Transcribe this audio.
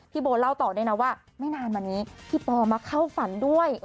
โบเล่าต่อด้วยนะว่าไม่นานมานี้พี่ปอมาเข้าฝันด้วย